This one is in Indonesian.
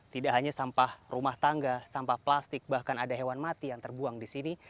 tidak hanya sampah rumah tangga sampah plastik bahkan ada hewan mati yang terbuang di sini